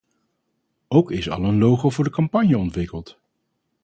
Ook is al een logo voor de campagne ontwikkeld.